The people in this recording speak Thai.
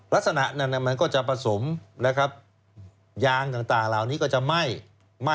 ลักษณะมันก็จะผสมนะครับยางต่างละหนึ่งก็จะไหม้